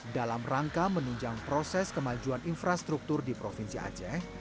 dalam rangka menunjang proses kemajuan infrastruktur di provinsi aceh